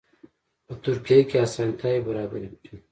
په ترکیه کې اسانتیاوې برابرې کړي.